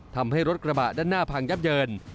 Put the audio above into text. ทำให้รถกระบะด้านหน้าพังยับเยิน